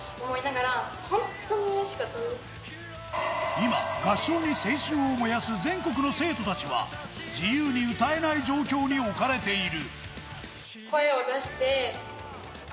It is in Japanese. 今、合唱に青春を燃やす全国の生徒たちは、自由に歌えない状況に置かれている。